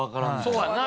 そうやんな。